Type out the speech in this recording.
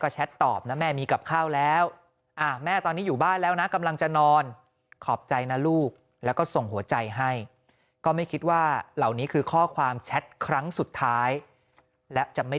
ใจให้ก็ไม่คิดว่าเหล่านี้คือข้อความแชทครั้งสุดท้ายและจะไม่